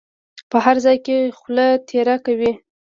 په هر ځای کې خوله تېره کوي.